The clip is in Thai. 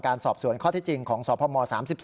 การสอบสวนข้อเท็จจริงของศพม๓๔